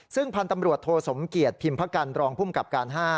ซึ่งพันธ์ตำรวจโทสมเกียจพิมพกันรองภูมิกับการ๕